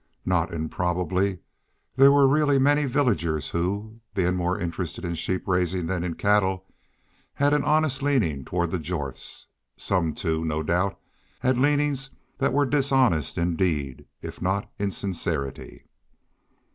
Not improbably there were really many villagers who, being more interested in sheep raising than in cattle, had an honest leaning toward the Jorths. Some, too, no doubt, had leanings that were dishonest in deed if not in sincerity.